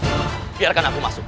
izinkan aku masuk